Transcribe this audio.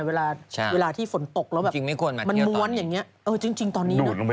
นูตลงไปเลยนะ